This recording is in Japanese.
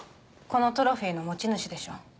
このトロフィーの持ち主でしょ。